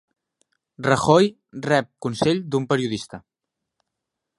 Rajoy rep consell d'un periodista